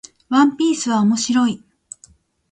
ワンピースは面白い